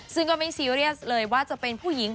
ซึ่งก็ไม่ซีเรียสเลยว่าจะเป็นผู้หญิง